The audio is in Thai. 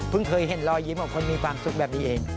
เพิ่งเคยเห็นรอยยิ้มคนมีความสุขแบบนี้เอง